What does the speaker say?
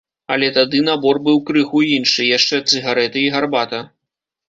Але тады набор быў крыху іншы, яшчэ цыгарэты і гарбата.